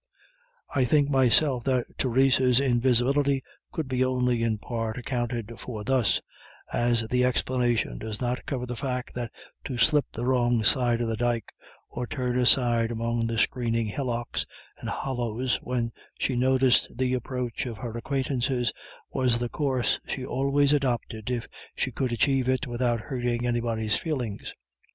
I think myself that Theresa's invisibility could be only in part accounted for thus, as the explanation does not cover the fact that to slip the wrong side of the dyke, or turn aside among screening hillocks and hollows when she noticed the approach of her acquaintances, was the course she always adopted if she could achieve it without hurting anybody's feelings.